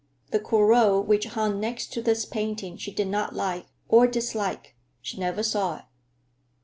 The Corot which hung next to this painting she did not like or dislike; she never saw it.